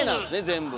全部。